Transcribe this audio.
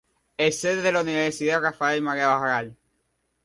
Es sede de la Universidad Rafael-María Baralt.